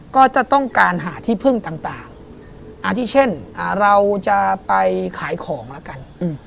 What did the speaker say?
ก็จะต้องการหาที่พึ่งต่างอาที่เช่นเราจะไปขายของแล้วกัน